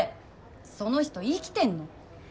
その人生きてんの？